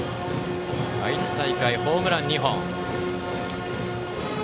愛知大会ホームラン２本。